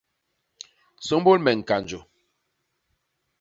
Sômbôl me ñkanjô.